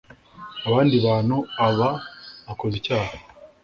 Abandi bantu aba akoze icyaha